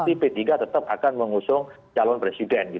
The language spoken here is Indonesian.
dan di tahun dua ribu dua puluh tiga tetap akan mengusung calon presiden